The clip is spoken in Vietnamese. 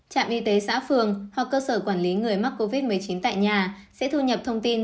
trạm y tế xã phường hoặc cơ sở quản lý người mắc covid một mươi chín tại nhà sẽ thu nhập thông tin